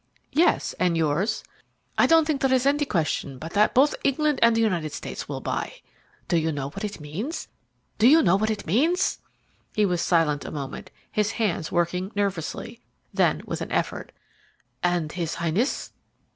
"Yes. And yours?" "I don't think there is any question but that both England and the United States will buy. Do you know what it means? Do you know what it means?" He was silent a moment, his hands working nervously. Then, with an effort: "And his Highness?"